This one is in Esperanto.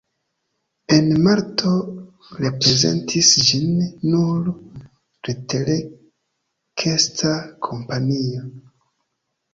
En Malto reprezentis ĝin nur leterkesta kompanio.